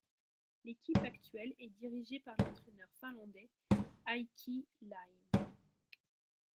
L'équipe actuelle est dirigée par l'entraîneur finlandais Heikki Leime.